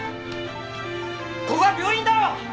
ここは病院だろ！